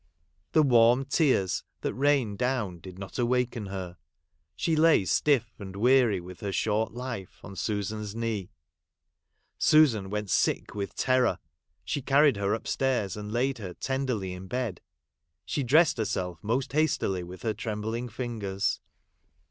The warm tears that rained down did not awaken her ; she lay stiff, and weary with her short life, on Susan's knee. Susan went sick with terror. She carried her upstairs, and laid her tenderly in bed ; she dressed herself most hastily, with her trembling fingers.